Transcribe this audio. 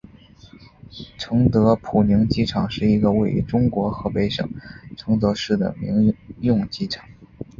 承德普宁机场是一个位于中国河北省承德市的民用机场。